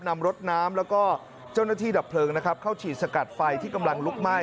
นำรถน้ำแล้วก็เจ้าหน้าที่ดับเพลิงนะครับเข้าฉีดสกัดไฟที่กำลังลุกไหม้